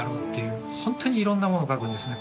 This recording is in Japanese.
本当にいろんなものを描くんですね